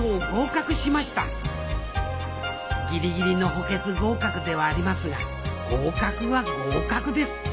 ギリギリの補欠合格ではありますが合格は合格です。